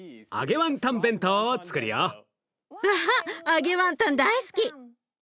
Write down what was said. わ揚げワンタン大好き！